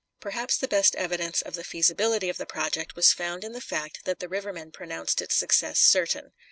Perhaps the best evidence of the feasibility of the project was found in the fact that the river men pronounced its success certain.